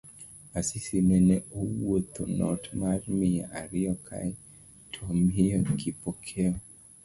Asisi nene owuodho not mar mia ariyo kae tomiyo Kipokeo